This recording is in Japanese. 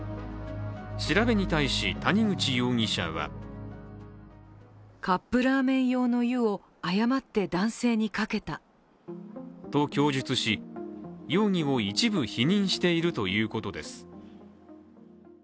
調べに対し、谷口容疑者はと供述し容疑を一部否認しているということです。